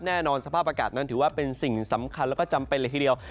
แน่นอนสภาพอากาศนั้นถือว่าเป็นสิ่งสำคัญแล้วก็จำเป็นเลยทีเดียว